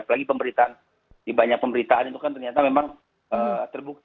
apalagi pemberitaan di banyak pemberitaan itu kan ternyata memang terbukti